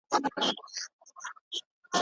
حیات الله په ډېر غلي غږ سره خپله خبره بشپړه کړه.